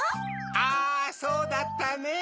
あそうだったねぇ。